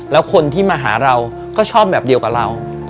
แล้วคนที่มาหาเราก็ชอบแบบเดียวกับเรา